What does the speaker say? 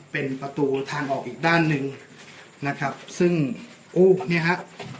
เป็นประตูทางออกอีกด้านหนึ่งนะครับซึ่งอู๊บเนี่ยฮะ